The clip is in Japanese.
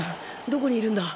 どこにいるんだ？